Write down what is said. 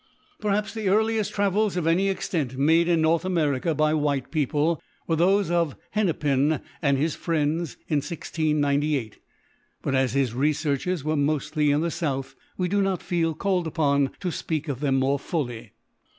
Perhaps the earliest travels of any extent made in North America by white people, were those of Hennepin and his friends, in 1698 — but as his researches were mostly in the south, we do not feel called upon to speak of them more fully.